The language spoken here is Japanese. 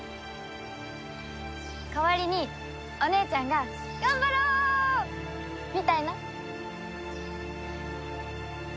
代わりにお姉ちゃんが頑張ろう！みたいな？